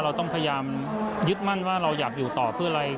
เราต้องพยายามยึดมั่นว่าเราอยากอยู่ต่อเพื่ออะไร